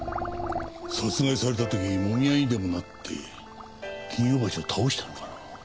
殺害された時もみ合いにでもなって金魚鉢を倒したのかな？